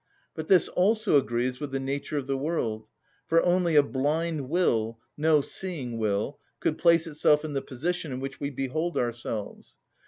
But this also agrees with the nature of the world, for only a blind will, no seeing will, could place itself in the position in which we behold ourselves.